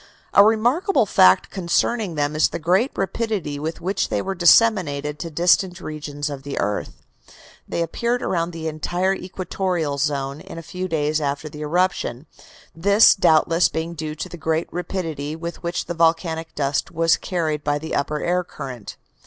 A remarkable fact concerning them is the great rapidity with which they were disseminated to distant regions of the earth. They appeared around the entire equatorial zone in a few days after the eruption, this doubtless being due to the great rapidity with which the volcanic dust was carried by the upper air current.